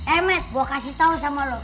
eh meh gue kasih tau sama lo